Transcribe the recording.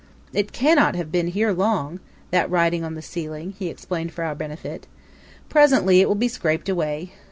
"It cannot have been here long that writing on the ceiling," he explained for our benefit. "Presently it will be scraped away.